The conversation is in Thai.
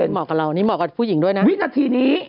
เหมาะกับเรานี่เหมาะกับผู้หญิงด้วยนะวินาทีนี้